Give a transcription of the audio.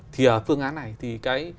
thì ở phương án này thì cái